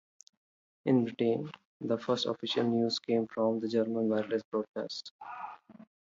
In Britain, the first official news came from German wireless broadcasts.